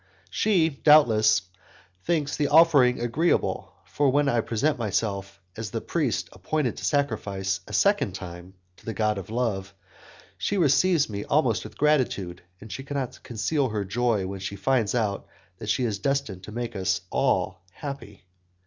She, doubtless, thinks the offering agreeable, for, when I present myself as the priest appointed to sacrifice a second time to the god of love, she receives me almost with gratitude, and she cannot conceal her joy when she finds out that she is destined to make us all happy.